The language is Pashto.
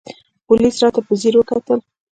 پوليس راته په ځير وکتل.